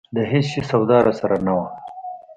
د هېڅ شي سودا راسره نه وه.